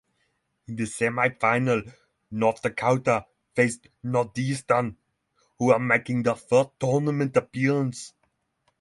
In the semifinal North Dakota faced Northeastern who were making their first tournament appearance.